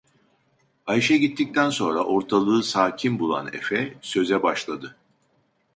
Ayşe gittikten sonra, ortalığı sakin bulan efe söze başladı.